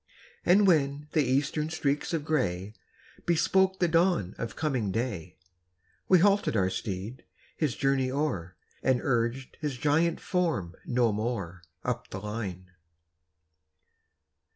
And when the Eastern streaks of gray Bespoke the dawn of coming day, We halted our steed, his journey o'er, And urged his giant form no more, Up the line.